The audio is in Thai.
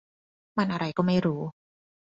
มันอะไรก็ไม่รู้